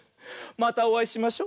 またおあいしましょ。